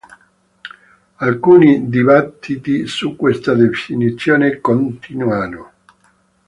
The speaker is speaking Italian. Alcuni dibattiti su questa definizione continuano.